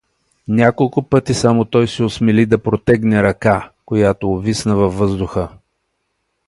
Няколко пъти само той се осмели да протегне ръка, която увисна на въздуха.